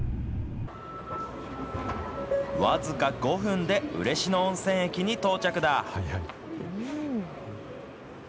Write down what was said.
僅か５分で嬉野温泉駅に到着だ。